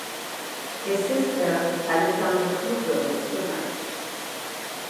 His sister, Alexandra Kluge, was a film actress.